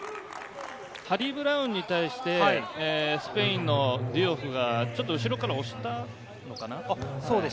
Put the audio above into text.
ブラウンに対してスペインのディオウフが後ろから押したのかな？